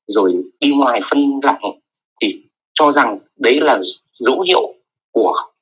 rồi đi ngoài phân lạnh thì cho rằng đấy là dấu hiệu của bệnh